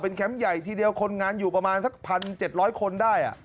แคมป์ใหญ่ทีเดียวคนงานอยู่ประมาณสัก๑๗๐๐คนได้